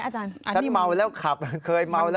ฉันเมาแล้วขับเคยเมาแล้วขับ